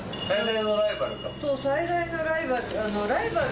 そう、最大のライバル。